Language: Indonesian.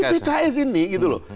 pks ini gitu loh